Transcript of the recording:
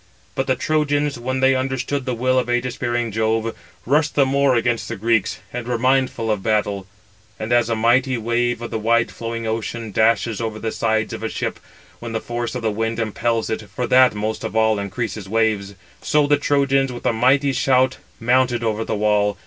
But the Trojans, when they understood the will of ægis bearing Jove, rushed the more against the Greeks, and were mindful of battle. And as a mighty wave of the wide flowing ocean dashes over the sides of a ship, when the force of the wind impels it (for that most of all increases waves); so the Trojans with a mighty shout mounted over the wall.